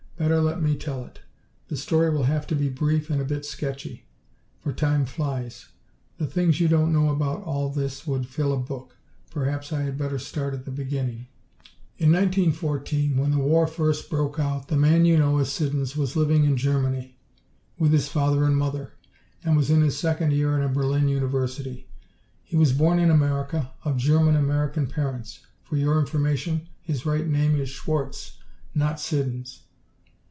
Better let me tell it. The story will have to be brief, and a bit sketchy, for time flies. The things you don't know about all this would fill a book. Perhaps I had better start at the beginning: "In 1914, when the war first broke out, the man you know as Siddons was living in Germany, with his father and mother, and was in his second year in a Berlin university. He was born in America, of German American parents. For your information, his right name is Schwarz, not Siddons."